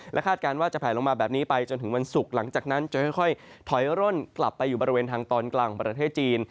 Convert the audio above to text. คาดการณ์ว่าจะแผลลงมาแบบนี้ไปจนถึงวันศุกร์หลังจากนั้นจะค่อยถอยร่นกลับไปอยู่บริเวณทางตอนกลางของประเทศจีน